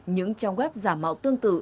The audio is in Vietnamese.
những trong web giả mạo tương tự